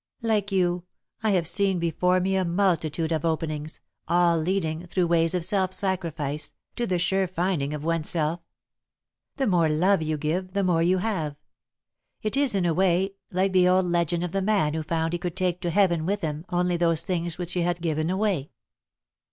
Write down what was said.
"Like you, I have seen before me a multitude of openings, all leading, through ways of self sacrifice, to the sure finding of one's self. The more love you give, the more you have; it is, in a way, like the old legend of the man who found he could take to Heaven with him only those things which he had given away.